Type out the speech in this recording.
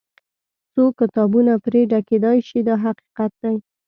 څو کتابونه پرې ډکېدای شي دا حقیقت دی.